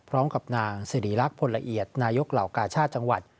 พร้อมกับนางสิริรักษ์พลละเอียดนายกเหล่ากาชาติจังหวัด